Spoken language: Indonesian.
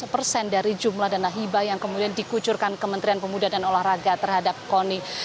satu persen dari jumlah dana hibah yang kemudian dikucurkan kementerian pemuda dan olahraga terhadap koni